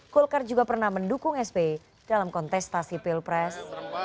golkar juga pernah mendukung sp dalam kontestasi pilpres